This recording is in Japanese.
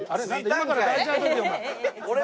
今から大事な時だよお前。